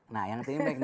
nah yang terimpak ini